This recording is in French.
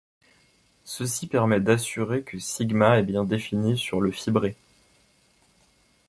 Ceci permet d'assurer que σ est bien défini sur le fibré.